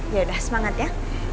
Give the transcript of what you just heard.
yaudah semangat ya